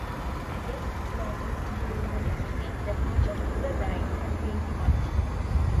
Guests noticed during the next week that much of the ride had been demolished.